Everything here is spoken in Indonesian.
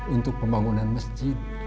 untuk pembangunan masjid